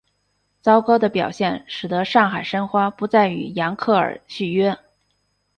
糟糕的表现使得上海申花不再与扬克尔续约。